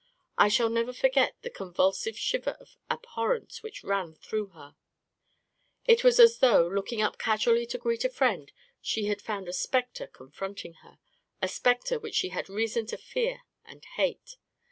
I shall never forget the convulsive shiver of abhorrence which ran through her. It was as 5 8 A KING IN BABYLON though, looking up casually to greet a friend, she had found a spectre confronting her — a spectre which she had reason to fear and hate.